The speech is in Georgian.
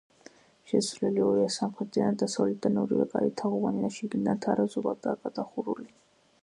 შესასვლელი ორია, სამხრეთიდან და დასავლეთიდან ორივე კარი თაღოვანია და შიგნიდან თარაზულადაა გადახურული.